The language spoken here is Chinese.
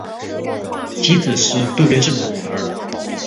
妻子是渡边胜的女儿。